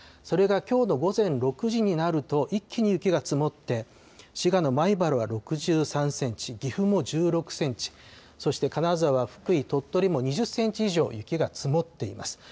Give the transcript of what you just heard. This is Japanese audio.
それがきょうの午前６時になると、一気に雪が積もって、滋賀の米原は６３センチ、岐阜も１６センチ、そして金沢、福井、鳥取も２０センチ以上雪が積もっています。